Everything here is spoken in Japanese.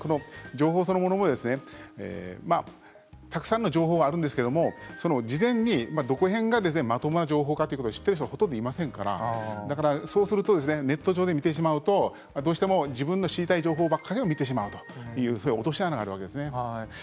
情報そのものもたくさんの情報があるんですけれど事前にどこら辺がまともな情報かということを知っている人はいませんからそうなるとネット上で知ってしまうとどうしても自分の知りたい情報ばかり見てしまうという落とし穴があるわけです。